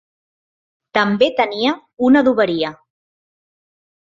També tenia una adoberia.